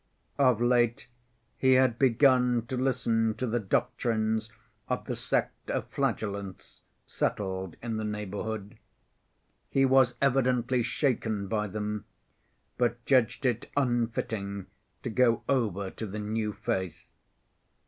Of late he had begun to listen to the doctrines of the sect of Flagellants settled in the neighborhood. He was evidently shaken by them, but judged it unfitting to go over to the new faith.